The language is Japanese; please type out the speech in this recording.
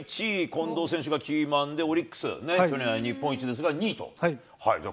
近藤選手がキーマンでオリックス、去年は日本一ですが、２位と。